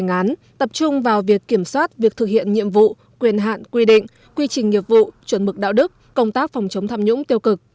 tổng cục thi hành án tập trung vào việc kiểm soát việc thực hiện nhiệm vụ quyền hạn quy định quy trình nhiệm vụ chuẩn mực đạo đức công tác phòng chống tham nhũng tiêu cực